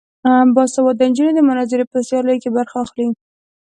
باسواده نجونې د مناظرې په سیالیو کې برخه اخلي.